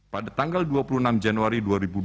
pada tanggal dua puluh enam januari dua ribu dua puluh